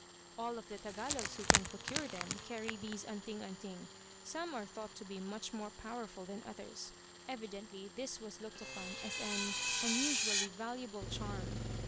"All of the Tagalogs who can procure them, carry these 'anting anting.' Some are thought to be much more powerful than others. Evidently this was looked upon as an unusually valuable charm.